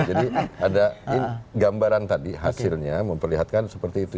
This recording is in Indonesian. jadi ada gambaran tadi hasilnya memperlihatkan seperti itu